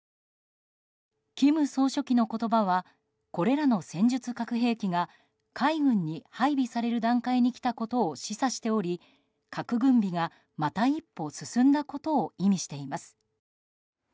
金総書記の言葉はこれらの戦術核兵器が海軍に配備される段階に来たことを示唆しており核軍備がまた一歩進んだことを意味しています。